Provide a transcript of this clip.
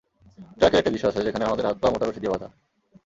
ট্রাকের একটা দৃশ্য আছে, যেখানে আমাদের হাত-পা মোটা রশি দিয়ে বাঁধা।